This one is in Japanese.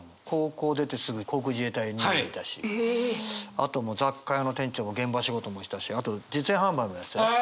あと雑貨屋の店長も現場仕事もしたしあと実演販売もやってたよ。